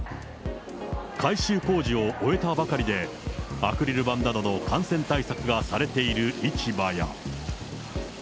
改修工事を終えたばかりで、アクリル板などの感染対策がされている市場や。